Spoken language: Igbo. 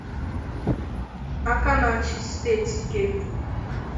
aka na-achị steeti Kebbi